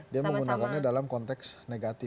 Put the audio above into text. dia menggunakannya dalam konteks negatif